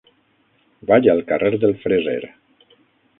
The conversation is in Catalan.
Vaig al carrer del Freser.